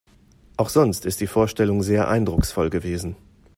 Auch sonst ist die Vorstellung sehr eindrucksvoll gewesen.